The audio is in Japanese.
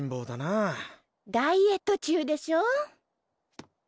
ダイエット中でしょ。